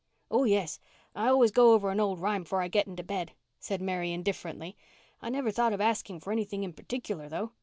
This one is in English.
"Oh, yes, I always go over an old rhyme 'fore I get into bed," said Mary indifferently. "I never thought of asking for anything in particular though.